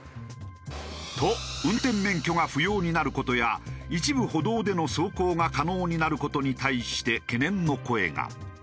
と運転免許が不要になる事や一部歩道での走行が可能になる事に対して懸念の声が。